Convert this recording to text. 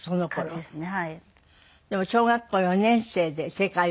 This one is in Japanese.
そうですね。